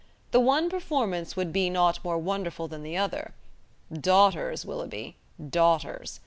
The one performance would be not more wonderful than the other. Daughters, Willoughby, daughters!